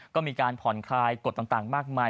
ก็มีการผ่อนคลายกฎต่างมากมาย